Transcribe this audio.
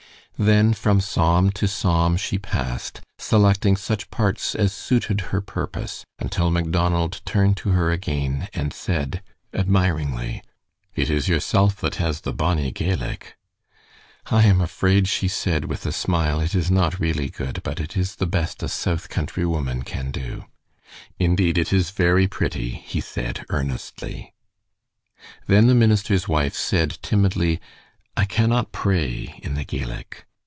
Then from psalm to psalm she passed, selecting such parts as suited her purpose, until Macdonald turned to her again and said, admiringly: "It is yourself that has the bonnie Gaelic." "I am afraid," she said, with a smile, "it is not really good, but it is the best a south country woman can do." "Indeed, it is very pretty," he said, earnestly. Then the minister's wife said, timidly, "I cannot pray in the Gaelic."